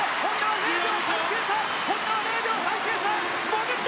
本多は０秒３９差。